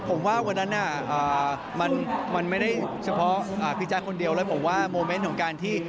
ผมว่าวันนั้นมันไม่ได้เฉพาะพี่แจ๊คคนเดียวแล้วผมว่าโมเมนต์ของการที่